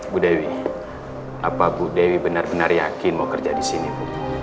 bu dewi apa bu dewi benar benar yakin mau kerja di sini bu